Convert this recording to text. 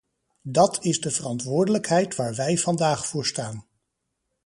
Dat is de verantwoordelijkheid waar wij vandaag voor staan!